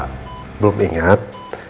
kalau bapak belum ingat